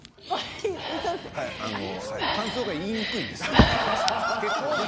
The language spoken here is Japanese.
あの感想が言いにくいんです。